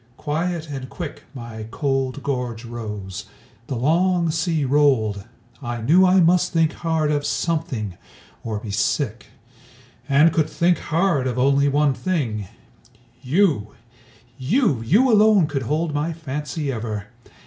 Quiet and quick My cold gorge rose; the long sea rolled; I knew I must think hard of something, or be sick; And could think hard of only one thing YOU! You, you alone could hold my fancy ever!